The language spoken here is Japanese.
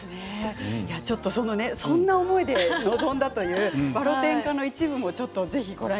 そんな思いで臨んだという「わろてんか」の一部をどうぞ。